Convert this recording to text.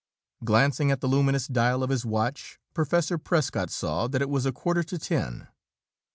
Glancing at the luminous dial of his watch, Professor Prescott saw that it was a quarter to ten.